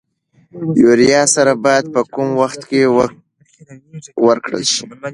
یوریا سره باید په کوم وخت کې ورکړل شي؟